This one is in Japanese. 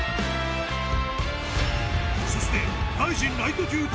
［そして］